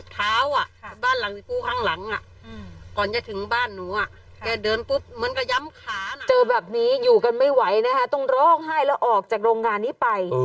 เจอแบบนี้อยู่กันไม่ไหวนะคะต้องร้องไห้แล้วออกจากโรงงานนี้ไป